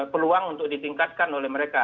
peluang untuk ditingkatkan oleh mereka